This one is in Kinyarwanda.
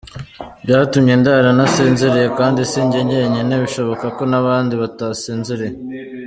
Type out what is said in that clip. Byatumye ndara ntasinziriye kandi si njye njyenyine bishoboka ko n’abandi batasinziriye.